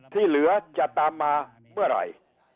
ที่เหลือจะตามมาเมื่อไหร่